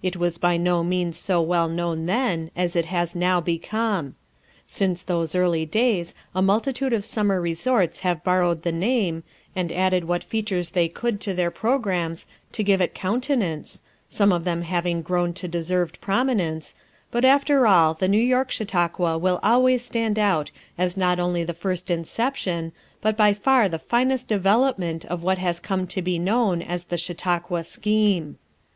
It was by no means so well known then as it lias now become. Since those early days a multitude of summer resorts have borrowed the name, and added what features they could to their programs, to give it counte nance, — some of them having grown to deserved prominence; but after all, the New York Chau tauqua will always stand out as not only the first inception, but by far the finest develop ment of what has come to be known as the Chau tauqua Scheme.